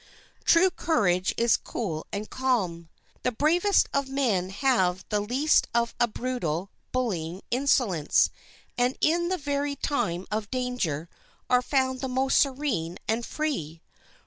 True courage is cool and calm. The bravest of men have the least of a brutal, bullying insolence, and in the very time of danger are found the most serene and free.